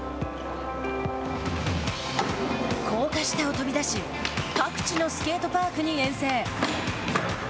高架下を飛び出し各地のスケートパークに遠征。